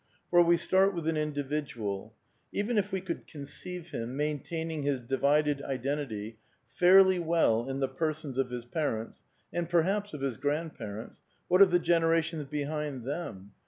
For we start with an individual. Even if we could conceive him maintaining his divided identity fairly well in the persons of his parents, and perhaps of his grand parents, what of the generations behind them